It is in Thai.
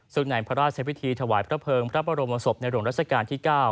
ซึ่งในพระราชพิธีถวายพระเภิงพระบรมศพในหลวงรัชกาลที่๙